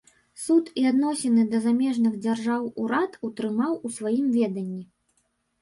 Суд і адносіны да замежных дзяржаў урад утрымаў у сваім веданні.